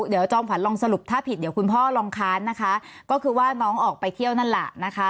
เดี๋ยวจอมขวัญลองสรุปถ้าผิดเดี๋ยวคุณพ่อลองค้านนะคะก็คือว่าน้องออกไปเที่ยวนั่นแหละนะคะ